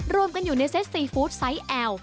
รวมกันอยู่ในเซตซีฟู้ดไซส์แอล